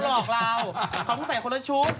เขาต้องใส่คนละชุด